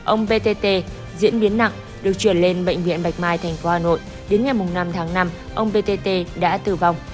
ông btt diễn biến nặng được chuyển lên bệnh viện bạch mai thành phố hà nội đến ngày năm tháng năm ông btt đã tử vong